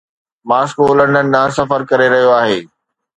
Moscow London ڏانهن سفر ڪري رهيو آهي